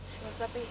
nggak usah pi